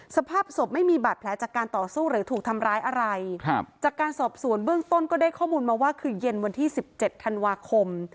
สภาพศพไม่มีบาดแผลจากการต่อสู้หรือถูกทำร้ายอะไรครับจากการสอบสวนเบื้องต้นก็ได้ข้อมูลมาว่าคือเย็นวันที่สิบเจ็ดธันวาคม